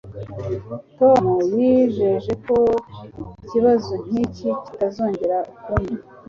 tom yijeje ko ikibazo nk'iki kitazongera ukundi